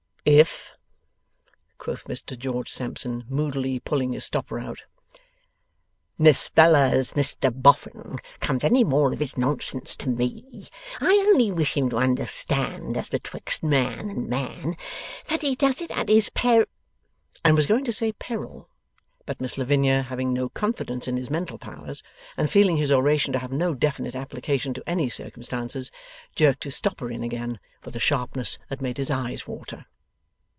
'If,' quoth Mr George Sampson, moodily pulling his stopper out, 'Miss Bella's Mr Boffin comes any more of his nonsense to ME, I only wish him to understand, as betwixt man and man, that he does it at his per ' and was going to say peril; but Miss Lavinia, having no confidence in his mental powers, and feeling his oration to have no definite application to any circumstances, jerked his stopper in again, with a sharpness that made his eyes water.